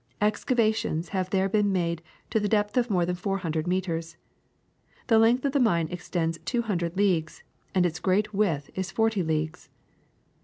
Excavations have there been made to the depth of more than four hundred meters. The length of the mine exceeds two hundred leagues, and its greatest width is forty leagues.